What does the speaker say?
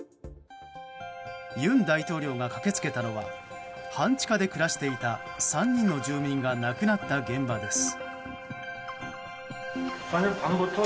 尹大統領が駆け付けたのは半地下で暮らしていた３人の住民が亡くなった現場です。